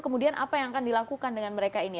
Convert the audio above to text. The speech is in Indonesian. kemudian apa yang akan dilakukan dengan mereka ini